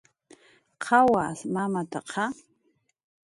¿Qawas mamataqa?